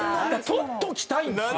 撮っておきたいんですよ